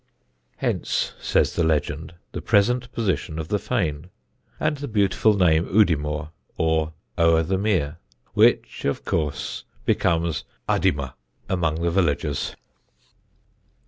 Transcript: Hence, says the legend, the present position of the fane, and the beautiful name Udimore, or "O'er the mere," which, of course, becomes Uddymer among the villagers.